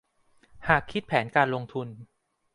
หากคิดแผนการลงทุน